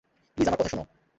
Please, আমার কথা শুনো।